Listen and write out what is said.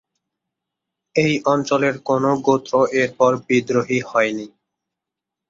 এই অঞ্চলের কোনো গোত্র এরপর বিদ্রোহী হয়নি।